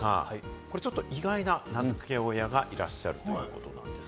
これちょっと意外な名付け親がいらっしゃるんです。